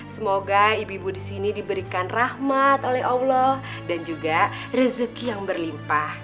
semoga ibu ibu di sini diberikan rahmat oleh allah dan juga rezeki yang berlimpah